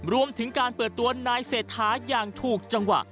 รวมถึงการเปิดตัวนายเศรษฐาอย่างถูกจังหวะ